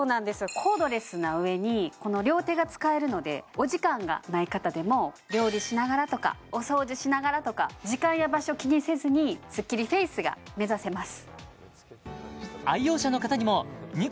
コードレスなうえに両手が使えるのでお時間がない方でも料理しながらとかお掃除しながらとか時間や場所を気にせずにスッキリフェイスが目指せます